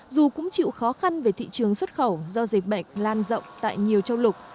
dù cũng chịu khó khăn về thị trường xuất khẩu do dịch bệnh lan rộng tại nhiều châu lục